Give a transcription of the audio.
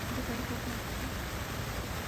اداکاری خوفناک تھی